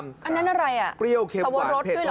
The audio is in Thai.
อันนั้นอะไรสวรรดด้วยเหรอ